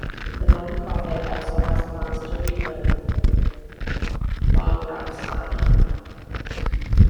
The non-profit also has plans to rebuild Marggraff's manor.